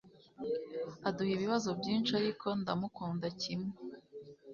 aduha ibibazo byinshi, ariko ndamukunda kimwe